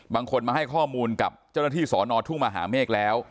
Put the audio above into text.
บางคนมาให้ข้อมูลกับเจ้าหน้าที่สอนอทุ่งมหาเมฆแล้ว